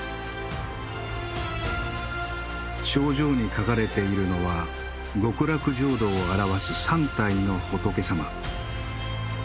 頂上に描かれているのは極楽浄土を表す三体の仏様。